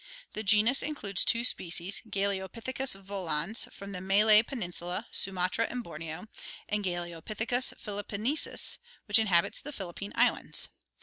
The genus includes two species: Galeopithecus volans, from the Malay Penin sula, Sumatra, and Borneo, and G. pkilippinensis, which inhabits the Philippine Islands.